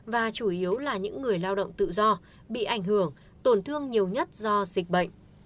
và chủ yếu là những người lao động tự do bị ảnh hưởng tổn thương nhiều nhất do dịch bệnh